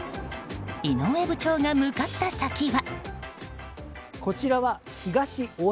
井上部長が向かった先は。